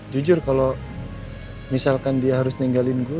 jujur kalau misalkan dia harus ninggalin gue